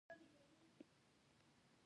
د اسمان او سمندر ننداره وکړم.